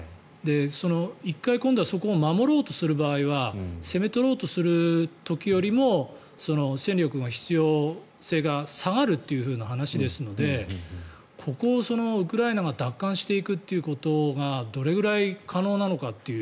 １回、今度はそこを守ろうとする場合は攻め取ろうとする時よりも戦力の必要性が下がるという話ですのでここをウクライナが奪還していくということがどれくらい可能なのかという。